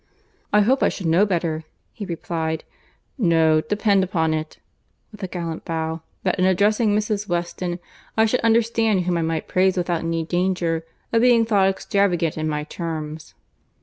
"I hope I should know better," he replied; "no, depend upon it, (with a gallant bow,) that in addressing Mrs. Weston I should understand whom I might praise without any danger of being thought extravagant in my terms."